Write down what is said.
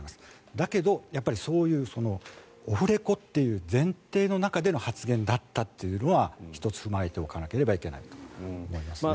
だけど、そういうオフレコっていう前提の中での発言だったというのは１つ、踏まえておかないといけないと思いますね。